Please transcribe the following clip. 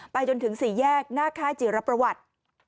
จนถึง๔แยกหน้าค่ายจิรประวัติ